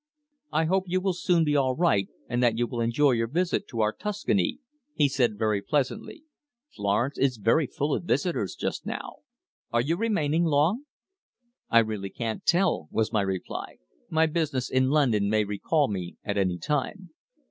"I hope you will soon be all right and that you will enjoy your visit to our Tuscany," he said very pleasantly. "Florence is very full of visitors just now. Are you remaining long?" "I really can't tell," was my reply. "My business in London may recall me at any time."